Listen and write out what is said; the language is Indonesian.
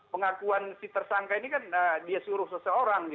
pengakuan si tersangka ini kan dia suruh seseorang